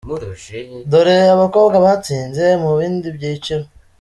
Dore abakobwa batsinze mu bindi byiciro :.